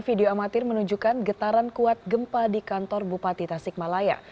video amatir menunjukkan getaran kuat gempa di kantor bupati tasikmalaya